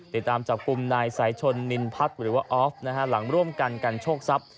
ติดตามจับกลุ่มนายสายชนนินพัฒน์หรือว่าออฟนะฮะหลังร่วมกันกันโชคทรัพย